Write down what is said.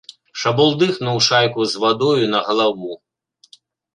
Шабулдыхнуў шайку з вадою на галаву.